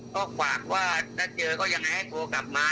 ก็ฝากว่าถ้าเจอก็ยังไงให้โทรกลับมา